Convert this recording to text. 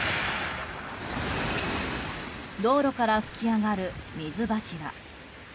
道路から噴き上がる水柱。